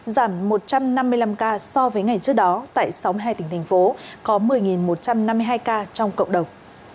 giảm một trăm năm mươi năm ca so với ngày trước đó tại sáu mươi hai tỉnh thành phố có một mươi một trăm năm mươi hai ca trong cộng đồng